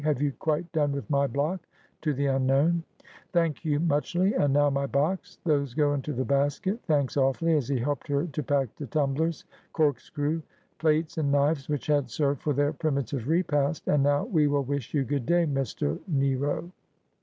Have you quite done with my block ?' to the unknown. ' Thank you muchly. And now my box ? Those go into the basket. Thanks, awfully,' as he helped her to pack the tumblers, corkscrew, plates, and knives, which had served for their primitive repast. ' And now we will wish you good day — Mr. — Nero.'